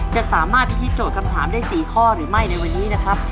จะสามารถพิธีโจทย์คำถามได้๔ข้อหรือไม่ในวันนี้นะครับ